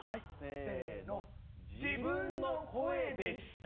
せの「自分の声でした」